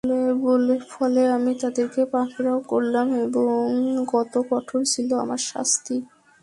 ফলে আমি তাদেরকে পাকড়াও করলাম এবং কত কঠোর ছিল আমার শাস্তি!